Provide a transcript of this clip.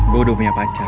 gue udah punya pacar